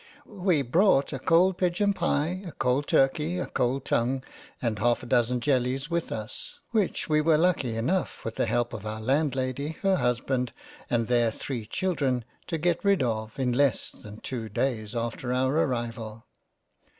We brought a cold Pigeon pye, a cold turkey, a cold tongue, and half a dozen Jellies with us, which we were lucky enough with the help of our Landlady, her husband, and their three children, to get rid of, in less than two days after our arrival.